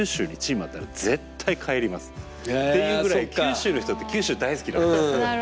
っていうぐらい九州の人って九州大好きなんです。